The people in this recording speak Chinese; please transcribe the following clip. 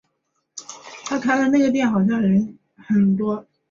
是由万代南梦宫制作的女性向音乐类手机游戏。